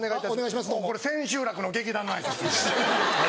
これ千秋楽の劇団の挨拶。